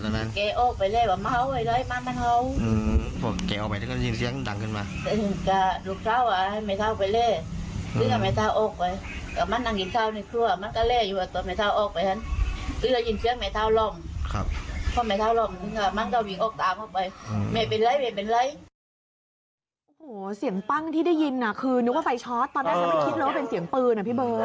ตอนแรกฉันไม่คิดแล้วว่าเป็นเสียงปืนนะพี่เบิร์ก